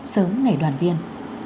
sớm ngày đoàn viên